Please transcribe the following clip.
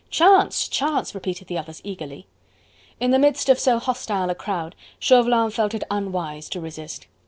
"Chance! Chance!" repeated the others eagerly. In the midst of so hostile a crowd, Chauvelin felt it unwise to resist.